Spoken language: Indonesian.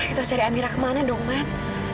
itu cari amira kemana dong man